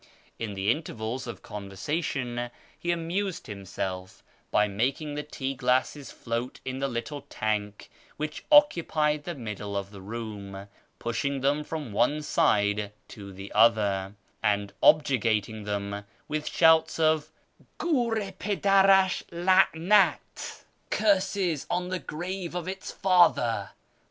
In the intervals of conversation he amused himself by making the tea glasses float in the little tank which occupied the middle of the room, pushing them from one side to the other, and objurgating them with shouts of " Gilr i pidar ash la'nat !"(" Curses on the grave of its father